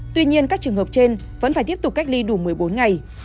tuy nhiên các trường hợp trên vẫn phải tiếp tục cách ly đủ một mươi bốn ngày